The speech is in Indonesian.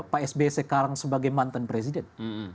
pak sby sekarang sebagai mantan presiden